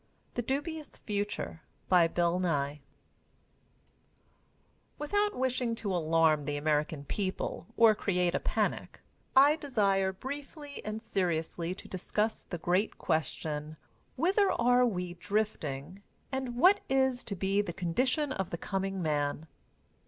THE DUBIOUS FUTURE BY BILL NYE Without wishing to alarm the American people, or create a panic, I desire briefly and seriously to discuss the great question, "Whither are we drifting, and what is to be the condition of the coming man?"